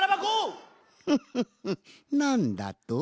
フフフッなんだと？